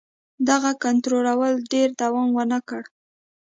دغه کنټرول ډېر دوام ونه کړ.